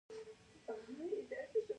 د کلدار ولسوالۍ په سرحد کې ده